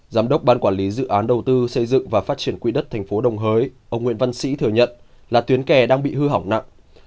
giám đốc ban quản lý dự án đầu tư xây dựng và phát triển quỹ đất tp đồng hới ông nguyễn văn sĩ thừa nhận là tuyến kè đang bị hư hỏng nặng